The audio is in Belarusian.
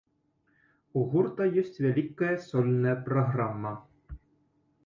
У гурта ёсць вялікая сольная праграма.